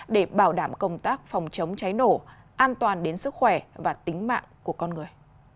để bảo đảm công tác phòng chống cháy nổ an toàn đến sức khỏe và tính mạng của con người